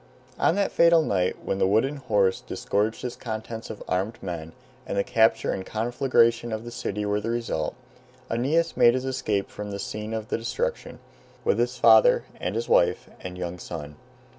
On that fatal night when the wooden horse disgorged its contents of armed men, and the capture and conflagration of the city were the result, Aeneas made his escape from the scene of destruction, with his father, and his wife, and young son.